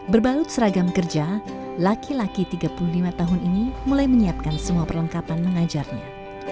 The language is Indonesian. berbalut seragam kerja laki laki tiga puluh lima tahun ini mulai menyiapkan semua perlengkapan mengajarnya